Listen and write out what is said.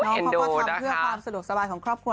เขาก็ทำเพื่อความสะดวกสบายของครอบครัว